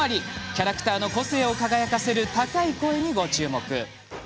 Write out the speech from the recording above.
キャラクターの個性を輝かせる高い声にご注目。